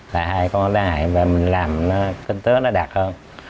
là hai con đại và mình làm nó kinh tế nó đạt hơn